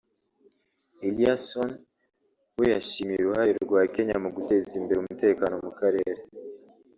Eliasson we yashimiye uruhare rwa Kenya mu guteza imbere umutekano mu karere